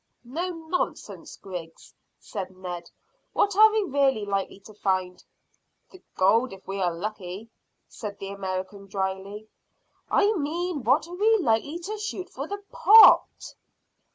"No nonsense, Griggs," said Ned. "What are we really likely to find?" "The gold if we're lucky," said the American dryly. "I mean, what are we likely to shoot for the pot?"